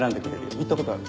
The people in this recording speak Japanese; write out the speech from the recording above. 行ったことある？